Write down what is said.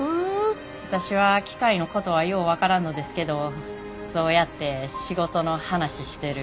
私は機械のことはよう分からんのですけどそうやって仕事の話してる夫の顔が好きで。